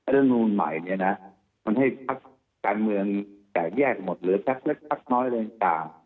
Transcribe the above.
เรื่องรุ่นใหม่เนี่ยนะมันให้ภักด์การเมืองแยกหมดหรือภักด์เลือกภักด์น้อยหรือจ่าง